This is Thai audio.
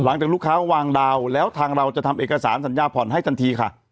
หลังจากลูกค้าวางดาวแล้วทางเราจะทำเอกสารสัญญาผ่อนให้ทันทีค่ะ